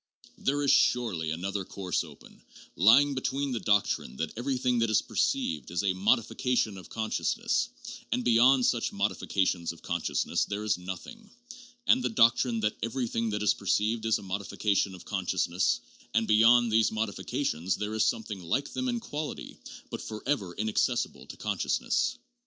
There is surely another course open, lying between the doctrine that everything that is perceived is a 'modification of conscious ness' and beyond such 'modifications of consciousness' there is nothing, and the doctrine that everything that is perceived is a 'modification of consciousness' and beyond these 'modifications' there is something like them in quality, but forever inaccessible to consciousness.